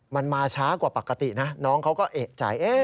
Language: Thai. มันมาช้ากว่าปกตินะน้องเขาก็เอกใจ